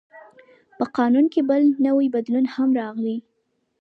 په قانون کې بل نوی بدلون هم راغی.